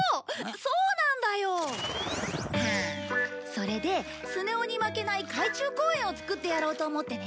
それでスネ夫に負けない海中公園を作ってやろうと思ってね。